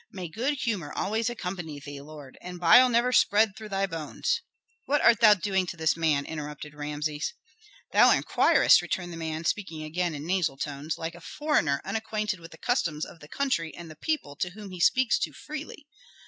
May good humor always accompany thee, lord, and bile never spread through thy bones " "What art thou doing to this man?" interrupted Rameses. "Thou inquirest," returned the man, speaking again in nasal tones, "like a foreigner unacquainted with the customs of the country and the people, to whom he speaks too freely.